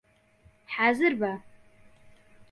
حازر بە!